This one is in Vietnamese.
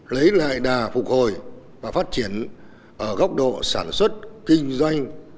lấy lại đà phục hồi và phát triển ở góc độ sản xuất kinh doanh